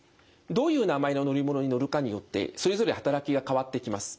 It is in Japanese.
どういう名前の乗り物に乗るかによってそれぞれ働きが変わってきます。